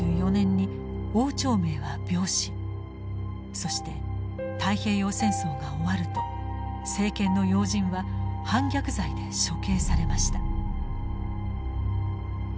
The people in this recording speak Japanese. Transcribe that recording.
そして太平洋戦争が終わると政権の要人は反逆罪で処刑されました。